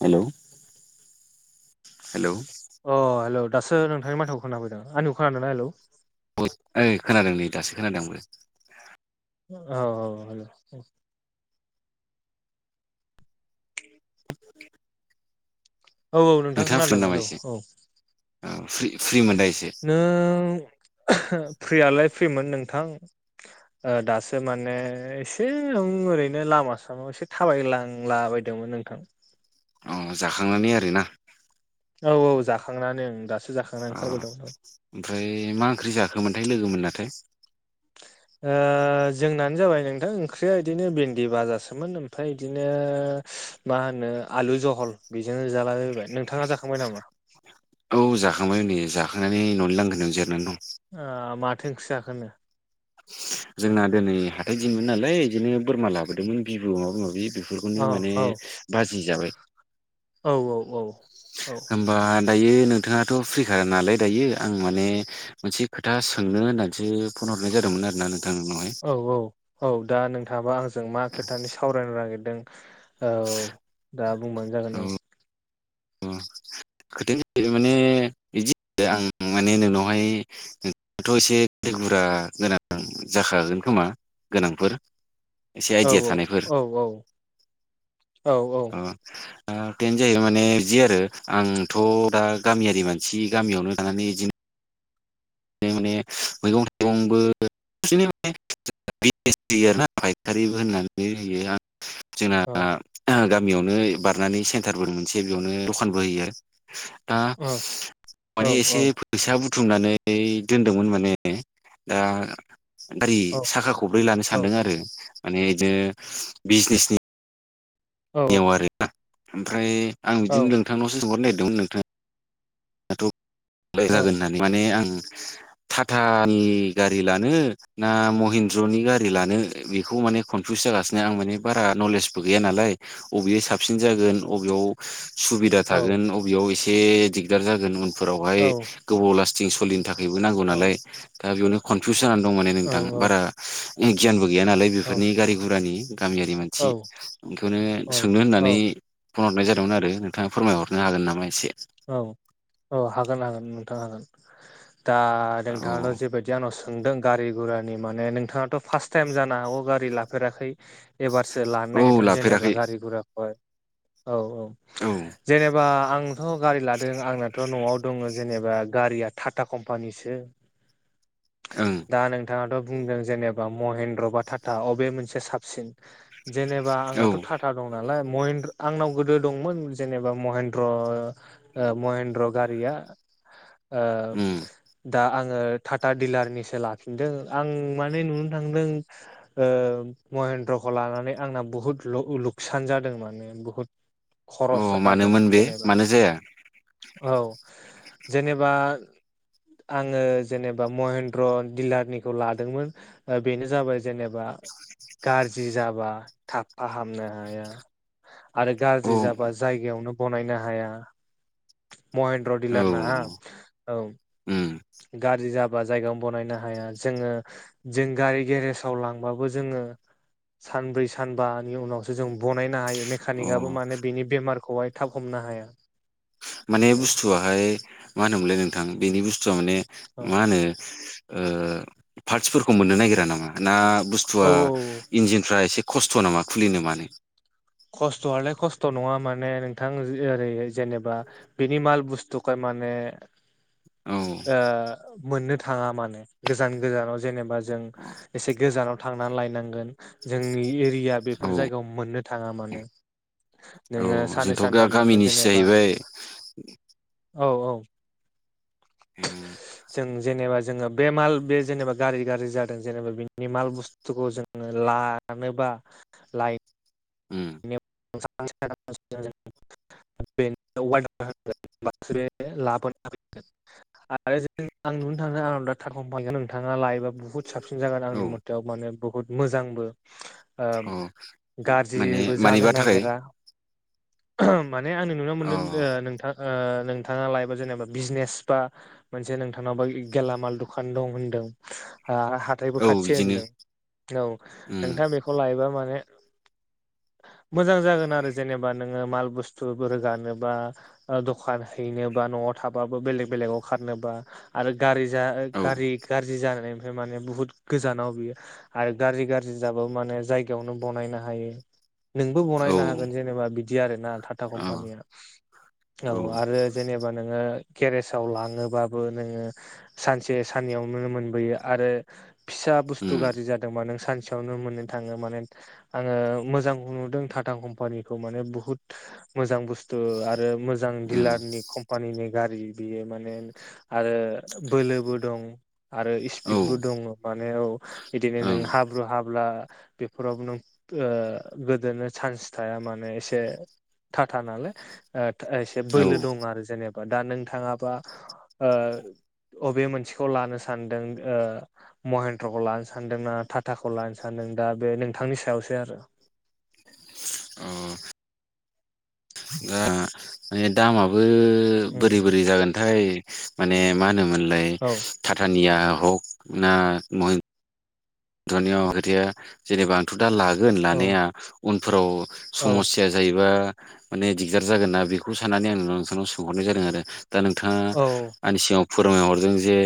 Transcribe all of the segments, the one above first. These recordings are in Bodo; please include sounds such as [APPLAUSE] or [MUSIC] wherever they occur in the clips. हेल'। हेलौ। अ हेल' दासो नोंथांनि माथोखौ खोना फैदों आंनिखौ खोनादों ना हेलौ। बहुद ओइ खोनादों नै दासो खोनादों आंबो। औ औ औ। औ औ नोंथां नोंथाङा खोनादों फ्रिमोन नामा हेलौ एसे औ औ फ्रि फ्रिमोन दा एसे नों फ्रियालाय फ्रिमोन नोंथां ओ दासो माने एसे नों ओरैनो लामा सामायाव एसे थाबायलांला बायदोंमोन नोंथां। अ जाखांनानै आरोना? औ औ जाखांनानै ओं दासो जाखांनानै अ ओंखारबोदोंमोन औ ओमफ्राय मा ओंख्रि जाखोमोन? लोगोमोन नाथाय ओ जोंनानो जाबाय नों नोंथां ओंख्रिया बिदिनो भिन्दि बाजासोमोन ओमफ्राय बिदिनो मा होनो आलु जहल बेजोंनो जालाैबाय नोंथाङा जाखांबाय नामा? खांनानै न'नो लांगोन आं जिरनानै दं। ओ माथो ओंख्रि जाखोनो? जोंना दिनै हाथाय दिनमोन नालाय बिदिनो बोरमा लाबोदोंमोन बिबु माबा माबि बेफोरखौनो औ माने औ बाजि जाबाय औ औ औ दायो नोंथाङाथ' फ्रिखा नालाय दायो आं माने मोनसे खोथा सोंनो होननानैसो फन हरनाय जादोंमोन आरो नों औ औ औ दा नोंथाङाबा आंजों मा खोथानि सावरायनो नागिरदों। औ दा बुंबानो जागोन औ। खोथायानो जाहैबाय माने बिदि आं माने नोंनावहाय थ' एसे गो बुरा गोनां जाखागोन खोमा गोनांफोर एसे औ आइडिया थानायफोर औ औ अ ओ टेन जायैबाय माने आरो आं थ' दा गामियारि मानसि गामियावनो थानानै अदिनो माने मैगं थाइगंबो [UNINTELLIGIBLE] [UNINTELLIGIBLE] फायखारिबो होननानै होयो आं जोंना औ गामियावनो बारनानै सेन्टारबो मोनसे बेयावनो दखानबो होयो आरो दा औ औ माने एसे फैसा बुथुमनानै दोनदोंमोन माने दा गारि साखा खब्रै लानो औ सानदों आरो माने बिदिनो बिजनेसनि नियाव औ आरोना ओमफ्राय आं औ बिदिनो नोंथांनावसो सोंहरनो नागिरदोंमोन नोंथाङा थ' [UNINTELLIGIBLE] माने आं टाटानि गारि लानो ना महिन्द्रनि गारि लानो बेखौ माने कनफिउस जागासिनो आं माने बारा नलेजबो गैया नालाय अबेयो साबसिन जागोन अबेयाव सुबिदा औ थागोन अबेयाव एसे दिगदार जागोन उनफोरावहाय गोबाव लास्टिं सोलिनो थाखायबो नांगौ नालाय दा बेयावनो कनफिउस जानानै दं माने नोंथां बारा गियानबो गैया नालाय बेफोरनि गारि गुरानि गामियारि औ मानसि बेखौनो सोंनो औ होननानै फन हरनाय जादोंमोन आरो नोंथाङा फोरमायहरनो हागोन नामा एसे औ औ हागोन हागोन नोंथां हागोन। दा औ नोंथाङाथ' जेबायदि आंनाव सोंदों गारि गुरानि माने नोंथाङाथ' फार्स्ट टाइम जानो हागौ गारि लाफेराखै एबारसो लानो औ नागिरदों लाफेराखै जेनेबा गारि गुराखौहाय औ औ औ ओं जेनेबा आंथ' गारि लादों आंनाथ' न'आव दं जेनेबा गारिया टाटा कंपनीसो दा नोंथाङाथ' बुंदों जेनेबा महेन्द्र बा टाटा अबे मोनसे साबसिन। जेनेबा औ आंनाथ' टाटा दं नालाय महेनद आंनाव गोदो दंमोन जेनेबा महेन्द्र ओ महेन्द्र गारिया ओ उम दा आङो टाटा दिडिलारनिसो लाफिनदों आं माने नुनो थांदों। महेन्द्रखौ लानानै आंना बुहुत लुकसान जादों माने बुहुद अ खरस जादों मानोमोन बे जेनेबा मानो जाया औ जेनेबा आङो जेनेबा महेन्द्र दिलारनिखौ लादोंमोन बेनो जाबाय जेनेबा गाजाज्रि जाबा थाब फाहामनो हाया। आरो औ गाज्रि जाबा जायगायावनो बनायनो हाया। महेन्द्र औ दिलार ना औ उम गाज्रि जा बा जनो बनायनो हाया जोङो जों गारि गेरेजाव लांबाबो जोङो सानब्रै सानबानि उनावसो जों बनायनो हायो। मेकानिकआबो अ माने बिनि बेमारखौहाय थाब हमनो हाया। माने औ बुस्थुआाहाय मा होनोमोनलाय नोंथां बेनि बुस्थुआ माने औ मा होनो। पार्टसफोरखौ मोननो नागिरा नामा ना औ बुस्थुआ औ इन्जिनफ्रा एसे खस्थ' नामा खुलिनो मानो। खस्थ'आलाय खस्थ' नङा माने नोंथां ओरै जेनेबा बेनि माल बुस्थुखाय। माने। औ ओ मोननो थाङा माने गोजान गोजानाव जेनेबा जों एसे गोजानाव। थांनानै लायनांगोन जोंनि एरिया बेफोर औ जायगायाव मोननो थाङा मानो। औ नोङो साननै जोंथ' गा सानथाम नोङो गामिनिसो जेनेबा जाहैबाय औ औ उम जों जेनेबा। जोङो बे माल बे जेनेबा गाज्रि गाज्रि जादों जेनेबा बिनि माल बुस्थुखौ जोङो लानोबा लाय उम। [UNINTELLIGIBLE] बासो लाबोना फैगोन [UNINTELLIGIBLE] [UNINTELLIGIBLE] बुहुत साबसिन जागोन औ आंनि मथेयाव माने बुहुत मोजांबो। अ माने गाज्रिबो। जानो मानिबा थाखाय नागिरा माने आंनि नुनायाव अ मोनदों नोंथां। ओ नोंथाङा लायोबा जेनेबा बिजनेस बा मोनसे नोंथांनाव गेलामाल दखान दं होनदों। आरो हाथायबो औ खाथि बिदिनो होनदों औ उम नोंथाङा बेखौ लायोबा माने। मोजां जागोन आरो जेनेबा। नों माल बुसथु रोगानोबा दखान हैनो बा नआव थाबाबो बेलेक बेलेकआव खारनो। बा आरो गारि जा औ गारि गाज्रि जानो। माने बुहुत गोजानाव बियो आरो गाज्रि गाज्रि जाबो माने जायगायावनो बानायनो हायो। नोंबो औ बानायनो हागोन जेनेबा बिदि। बिदि आरोना टा टा औ कम्पानिया औ आरो जेनोबा नोंओ। गेरेजाव लाङोबाबो नोङो सानसे साननैयाव मोनबोयो आरो। फिसा बुस्थु उम गाज्रि जादोंबा नों। सानसेयावनो मोननो थाङो माने आङो मोजांखौ नुदों टाटा कम्पानिखौ माने बुहुत। बुहुत मोजां बुस्थु आरो मोजां उम दिलारनि कम्पानिनि गारि। बियो माने आरो बोलोबो दं। आरो औ स्पिडबो दङ माने औ बिदिनो नों ओं हाब्रु हाला। बेफोरावबो नों गोदोनो चान्स थाया माने एसे। टा टा नालाय एसे बोलो औ दं आरो जेनेबा। दा नोंथाङाबा। अबे मोनसेखौ लानो सानदों महेन्द्रखौ लानो सानदोंना टाटाखौ लानो सानदों। दा बे नोंथांनि सायावसो आरो। अ। दा बे दामाबो उम बोरै बोरै जागोनथाय। माने मा होनोमोनलाय औ थाथानिया हक ना। दुनियायाव खोथाया जेनेबा आंथ' दा लागोन औ लानाया उनफोराव। औ समस्या जाहैबा। माने दिगदार जागोनना बेखौ साननानै आं नोंथांनाव सोंहरनाय जादों आरो। दा नोंथाङा औ आंनि सिगाङाव फोरमायहरदों जे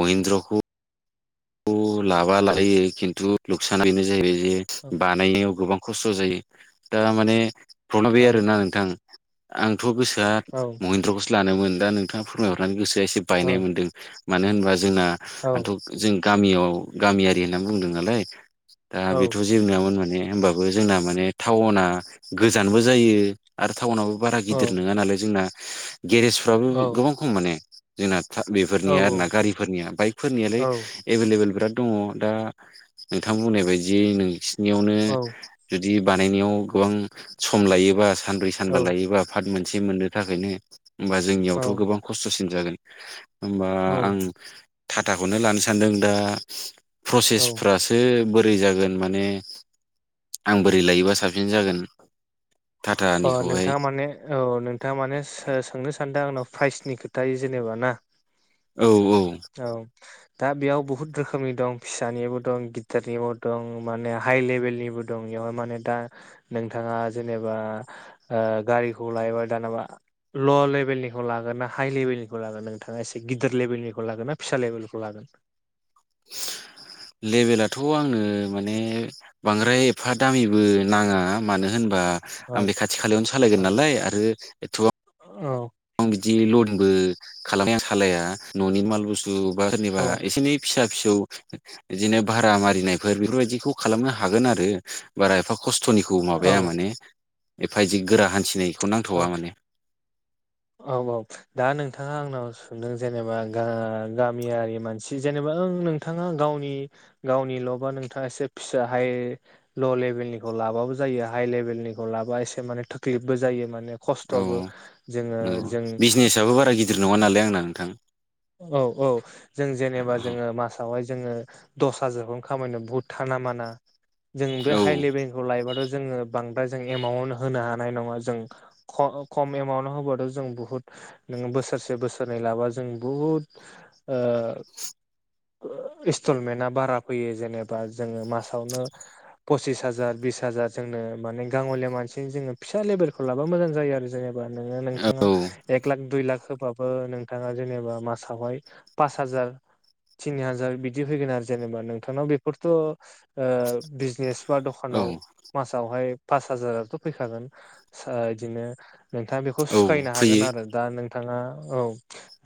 महिन्द्रखौ। लाबा लायो खिन्थु नुकसाना बेनो जाहैबाय जे बानायनायाव गोबां। खस्थ' जायो दा माने प्रब्लेमा बे औ आरोना नोंथां आं। थ' गोसोआ औ महिन्द्रखौसो लानोमोन दा नोंथाङा फोरमायहरनानै गोसोआ एसे बायनाय औ मोन्दों। मानो होनबा जोंना औ आंथ' जों गामियाव गामियारि होनना बुंदों नालाय। दा औ बेथ' जेबो नङामोन माने होनबाबो। जोंना माने टाउना गोजानबो जायो आरो टाउनाबो बारा औ गिदिर नङा नालाय जोंना। गेरेजफ्राबो औ गोबां खम माने जोंना। बेफोरनिया आरो ना गारिफोरनिया बाइकफोरनियालाय। एभेलेबेल बिराद दङ दा नोंथां बुंनाय बायदि नोंसिोरनियावनो। जि बानायनायाव गोबां सम लायोबा सानब्रै सानबा लायोबा फाद मोन से मोननो थाखायनो ओमबा जोंनियावथ औ गोबां खस्थसिन जागोन होमबा औ आं टाटाखौनो लानो सानदों दा प्रसेस औ फ्रासो बोरै बोरै जागोन माने आं बोरै लायोबा साबसिन जागोन अ टाटानिखौहाय नोंथाङा माने औ नोंथाङा माने सोंनो सान दा आंनाव फ्राइसनि खोथायि जेनेबा ना औ औ औ दा बेयाव बुहुद रोखोमनि दं फिसानिबो दं गिटारनिबो दं माने हाइ लेबेलनिबो दं। इआवहाय माने दा नोंथाङा जेनेबा ओ गारिखौ लायोबा दानाबा ल लेभेलनिखौ लागोन ना हाइ लेभेलनिखौ लागोन नोंथाङा एसे गिदिर लेभेलनिख ख लागोनना फिसा लेभेलनिखौ लागोन? लेभेलाथ' आंनो माने बांद्राय एफा दामिबो नाङा मानो होनबा औ आं बे खाथि खालायावनो सालायगोन औ नालाय आरो एथ'बां इदि लथिंबो खालामने आं सालाया न'नि माल बुस्थु बा सोरनिबा औ एसे एनै फिसा फिसौ ओ ओ इदिनो भारा मारिनायफोर बेफोरबायदिखौ खालामनो हागोन आरो बार एफा खस्थ खस्थनिखौ औ माबाया माने एफा इदि गोरा हान्थिनायखौ नांथवा औ माने औ औ दा नोंथाङा आंनाव सोंदों जेनेबा गा गामियारि मानसि जेनेबा ओं नोंथाङा गावनि गावनिल'बा नोंथाङा एसे फिसा हाइ ल लेभेलनिखौ लाबाबो जायो हाइ लेभेलनिखौ लाबा एसे माने थोक्लिबबो जायो माने औ खस्थ'बो। जोङो नंगौ जों बिजनेसआबो बारा गिदिर नङा नालाय आंना नोंथां। औ औ जों जेनेबा जोङो मासावहाय ज जोङो दस हाजारखौनो खामायनो बहुद थाना माना जों औ बे हाइ लेभेलखौ लायोबाथ' ज जोङो बांद्राय जों एमाउन्ट होनो हानाय नङा जों ख ओ खम एमाउन्ट होबाथ' जों बुहुत नोङो बोसोरसे बोसोरनै लाबा जों बुहुद ओ ओ इस्टलमेन्टा बारा फैयो जेनेबा जोङो मासावनो पसिस हाजार बिस हाजार जोंनो माने गाङलिया मानसि जोङो फिसा लेबेलखौ लाबा मोजां जायो आरो जोङो। बा नोङो नोंथाङा एक लाख दुइ लाख होबाबो नोंथाङा जेनेबा मासावहाय पास हाजार थिनि हाजार बिदि फैगोन आरो जेनेबा नोंथांनाव बेफोरथ' ओ बिजनेस बा औ दखानाव मासावहाय पास हाजाराथ' फैखागोन सो इदिनो नोंथाङा बेखौ औ सुखायनो हागोन फैयो आरो दा नों थाङा औ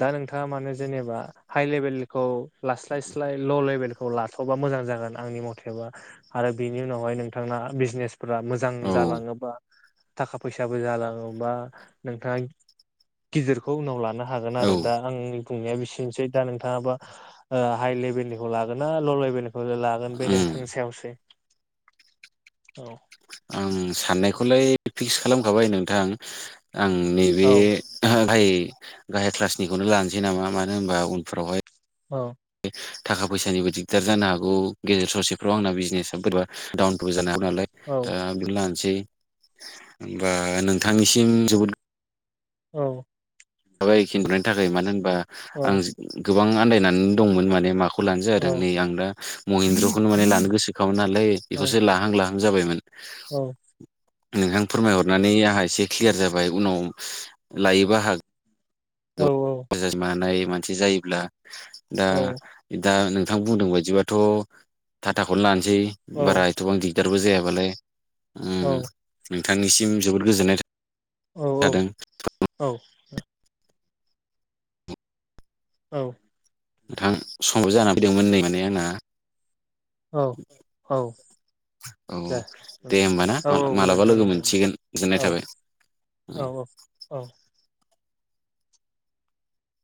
दा नोंथाङा मानो जेनेबा हाइ लेभेलनिखौ लास्लाय स्लाय ल लेबेल खौ लाथ'बा मोजां जागोन आंनि मथेबा आरो बिनि उनावहाय नोंथांना बिजनेस फोरा मोजां औ जालाङोबा थाखा फैसाबो जालाङोबा नोंथाङा गिदिरखौ उनाव लानो हा हागोन औ आरो दा आंनि बुंनाया बिसिनोसै दा नोंथाङाबा ओ हाइ लेभेलनिखौ लागोनना ल लेभेलनि खो लागोन बे उम नोंथांनि सायावसै औ आं साननायखौलाय फिक्स खालामखाबाय नोंथां। आं नैबे औ नाथाय गाहाय ख्लासनिखौनो लानोसै नामा मानो होनबा उनफोरावहाय औ थाखा फैसानिबो दिगदार जानो हागौ गेजेर ससेफ्राव आंना बिजनेस बोरैबा डाउन फल जानो हागौ। नालाय औ दा बेखौनो लानोसै होमबा नोंथांनिसिम जोबोद औ थाबाय खिन्थानायनि थाखाय मानो होनबा औ आंज गोबां आन्दायनानै दंमोन माने माख खौ लानो औ जादों नै आं दा महिन्द्रखौनो माने लानो गोसोखामोन नालाय औ इखौसो लाहां लाहां जाबायमोन औ नोंथां फोरमायहरनानै आहा ए से ख्लियार जाबाय उनाव लायोबा हाग औ जास मानाय मानसि जायोब्ला दा दा नोंथ थां बुंदों बायदिबाथ' थाथाखौनो लानोसै औ बारा एथ'बां दिग दारबो जायाबालाय उम नोंथांनिसिम जोबोद गोजोननाय थ औ औ औ ओ औ नोंथां समाबो जाना फैदोंमोन नै माने आंना औ औ औ दे दे नोंथां होमबाना औ औ मालाबा गोजोन्थों लोगो नोंथां दे मोनसिगोन गोजोननाय औ। थाबाय। औ औ औ।